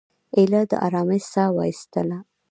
ایله د آرامۍ ساه وایستله.